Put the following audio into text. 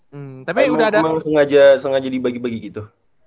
hmm tapi memang sengaja dibagi bagi gitu